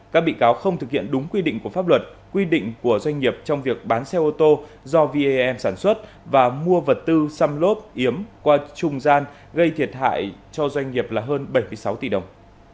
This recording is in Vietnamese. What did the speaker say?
các bị cáo không thực hiện đúng quy định của pháp luật quy định của doanh nghiệp trong việc bán xe ô tô do vam sản xuất và mua vật tư xăm lốp yếm qua trung gian gây thiệt hại cho doanh nghiệp là hơn bảy mươi sáu tỷ đồng